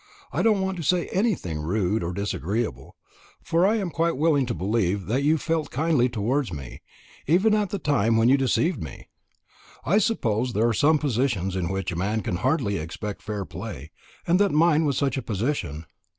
I don't want to say anything rude or disagreeable; for I am quite willing to believe that you felt kindly towards me, even at the time when you deceived me. I suppose there are some positions in which a man can hardly expect fair play, and that mine was such a position.